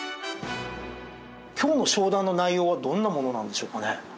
今日の商談の内容はどんなものなんでしょうかね？